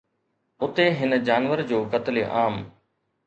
اتي هن جانور جو قتل عام